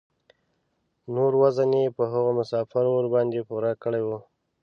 نور وزن یې په هغو مسافرو ورباندې پوره کړی و.